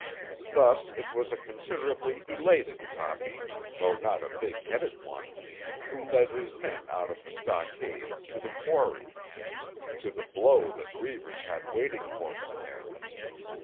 Thus it was a considerably elated Toppy, though not a big headed one, who led his men out of the stockade, to the quarry—to the blow that Reivers had waiting for him there.